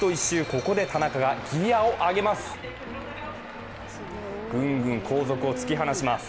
ここで田中がギヤを上げます。